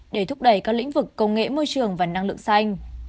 để thúc đẩy các lĩnh vực công nghệ môi trường và năng lượng xanh